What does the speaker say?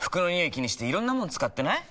気にしていろんなもの使ってない？